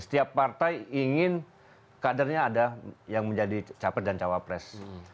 setiap partai ingin kadernya ada yang menjadi capres dan cawapres